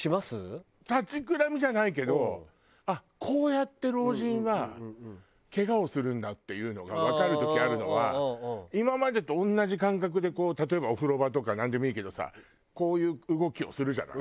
立ちくらみじゃないけどあっこうやって老人はケガをするんだっていうのがわかる時あるのは今までと同じ感覚で例えばお風呂場とかなんでもいいけどさこういう動きをするじゃない。